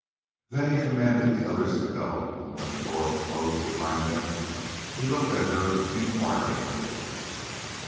Then he commanded the others to go, and when the door had closed behind them, he looked at her inquiringly.